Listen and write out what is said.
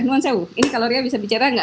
nuan sewu ini kalau ria bisa bicara